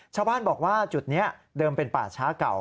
ชาวบ้านบอกว่าจุดนี้เดิมเป็นป่าช้าเก่า